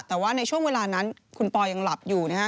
แต่ว่าในช่วงเวลานั้นคุณปอยังหลับอยู่นะฮะ